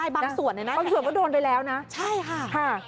บางส่วนก็โดนไปแล้วนะใช่ค่ะ